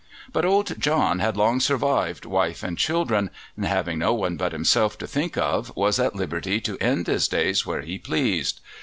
But old John had long survived wife and children, and having no one but himself to think of was at liberty to end his days where he pleased.